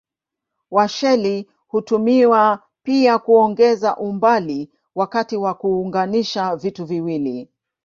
Washeli hutumiwa pia kuongeza umbali wakati wa kuunganisha vitu viwili.